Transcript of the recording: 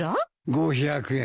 ５００円。